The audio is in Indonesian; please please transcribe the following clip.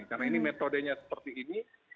karena ini metodenya seperti ini